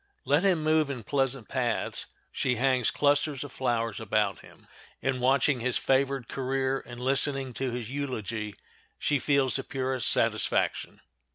Let him move in pleasant paths, she hangs clusters of flowers about him. In watching his favored career and listening to his eulogy she feels the purest satisfaction.